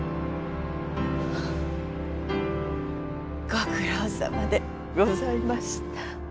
ご苦労さまでございました。